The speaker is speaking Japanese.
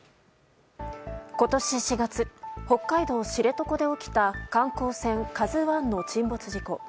今年４月、北海道知床で起きた観光船「ＫＡＺＵ１」の沈没事故。